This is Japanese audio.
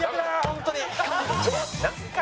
本当に。